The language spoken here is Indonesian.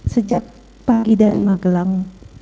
sejak pagi dan magelang